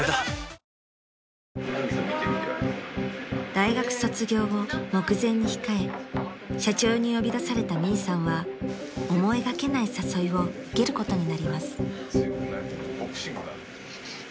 ［大学卒業を目前に控え社長に呼び出されたミイさんは思いがけない誘いを受けることになります］